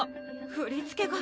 振り付けが。